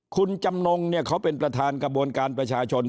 คุณจำนงเนี่ยเขาเป็นประธานกระบวนการประชาชน